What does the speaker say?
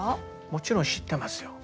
もちろん知ってますよ。